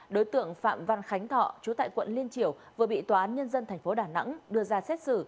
đối tượng phạm văn khánh thọ chú tại quận liên triểu vừa bị tòa án nhân dân tp đà nẵng đưa ra xét xử